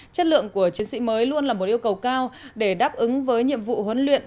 chất lượng của chiến sĩ mới luôn là một yêu cầu cao để đáp ứng với nhiệm vụ huấn luyện